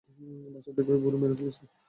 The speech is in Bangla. বাচ্চাটাকে ঐ বুড়ো মেরে ফেলেছে।